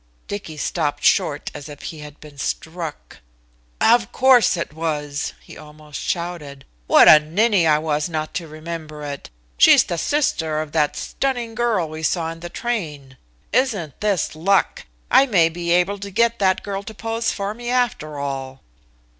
Dicky stopped short as if he had been struck. "Of course it was," he almost shouted. "What a ninny I was not to remember it. She's the sister of that stunning girl we saw in the train. Isn't this luck? I may be able to get that girl to pose for me after all."